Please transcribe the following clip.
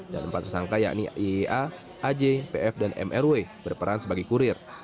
dan empat tersangka yakni iea aj pf dan mrw berperan sebagai kurir